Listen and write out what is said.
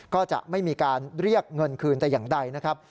ก็จะไม่มีการเรียกเงินคืนแต่อย่างใดนะครับ